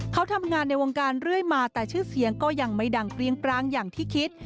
เขาทำงานในวงการเรื่อยมาแต่ชื่อเสียงก็ยังไม่ดังเกลียงปรางอย่างที่คิด